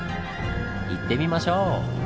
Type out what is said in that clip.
行ってみましょう！